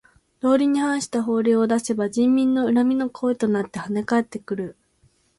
道理に反した法令を出せば人民の恨みの声となってはね返ってくる。